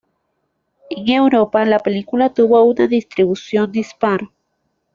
En Europa, la película tuvo una distribución dispar.